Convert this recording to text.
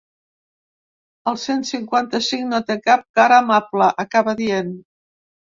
El cent cinquanta-cinc no té cap cara amable, acaba dient.